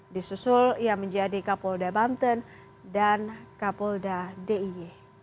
disusul menjadi kapolda banten dan kapolda diy